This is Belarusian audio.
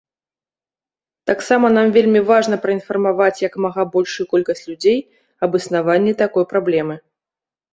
Таксама нам вельмі важна праінфармаваць як мага большую колькасць людзей аб існаванні такой праблемы.